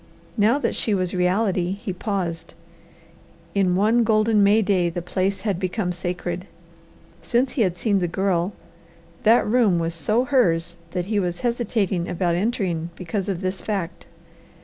Now that she was reality, he paused. In one golden May day the place had become sacred. Since he had seen the Girl that room was so hers that he was hesitating about entering because of this fact.